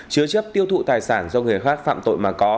chứa chấp tiêu thụ tài sản do người khác phạm tội mà có